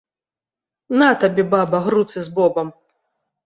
На табе, баба, груцы з бобам!